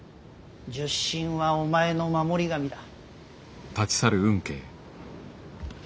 戌神はお前の守り神だ。